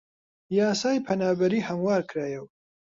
یاسای پەنابەری هەموار کرایەوە